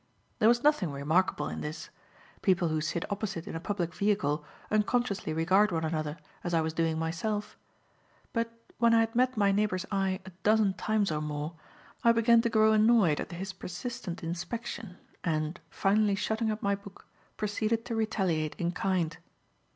There was nothing remarkable in this. People who sit opposite in a public vehicle unconsciously regard one another, as I was doing myself; but when I had met my neighbour's eye a dozen times or more, I began to grow annoyed at his persistent inspection; and finally, shutting up my book, proceeded to retaliate in kind.